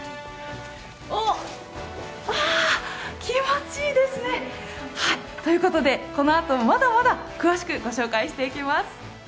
おっ、うわ、気持ちいいですね。ということでこのあともまだまだ詳しく御紹介していきます。